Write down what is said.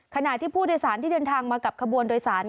ขณะที่ผู้โดยสารที่เดินทางมากับขบวนโดยสาร